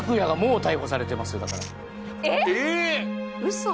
嘘。